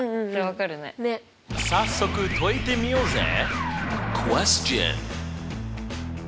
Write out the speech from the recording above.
早速解いてみようぜ！